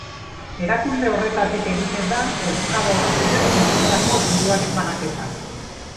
Erakunde horretatik egiten da euskal ogasunek bildutako diruaren banaketa.